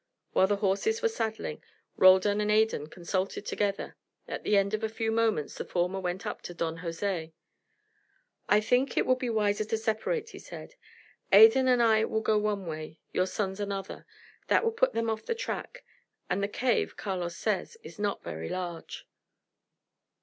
While the horses were saddling, Roldan and Adan consulted together. At the end of a few moments the former went up to Don Jose. "I think it would be wiser to separate," he said. "Adan and I will go one way, your sons another. That will put them off the track; and the cave, Carlos says, is not very large."